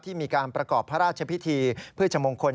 มีการประกอบพระราชพิธีพฤชมงคล